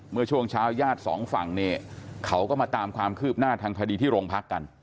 เมื่อช่วงเช้าญาติสองฝั่งเนี่ยเขาก็มาตามความคืบหน้าทางคดีที่โรงพักกัน